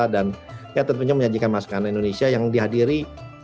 dan ya tentunya menyajikan masakan indonesia yang dihadiri